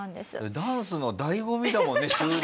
ダンスの醍醐味だもんね。